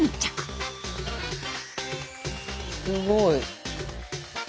すごい。